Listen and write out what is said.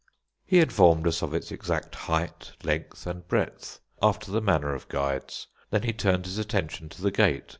He informed us of its exact height, length, and breadth, after the manner of guides. Then he turned his attention to the Gate.